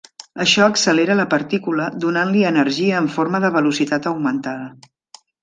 Això accelera la partícula, donant-li energia en forma de velocitat augmentada.